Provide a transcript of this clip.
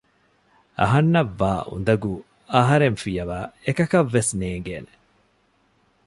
އަހަންނަށް ވާ އުނދަގޫ އަހަރެން ފިޔަވައި އެކަކަށްވެސް ނޭނގޭނެ